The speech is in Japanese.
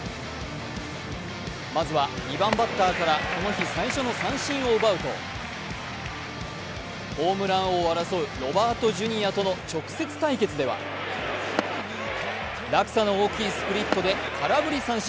まずは２番バッターからこの日、最初の三振を奪うとホームラン王を争うロバートＪｒとの直接対決では落差の大きいスプリットで空振り三振。